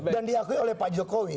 dan diakui oleh pak jokowi